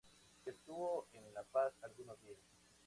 Estuvo en La Paz algunos días.